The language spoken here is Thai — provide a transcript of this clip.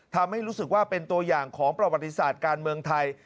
ทำให้รู้สึกว่าเป็นตัวอย่างของประวัติศาสตร์การเมืองไทย